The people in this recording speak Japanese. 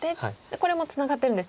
これもツナがってるんですね。